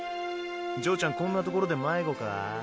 嬢ちゃんこんな所で迷子かぁ？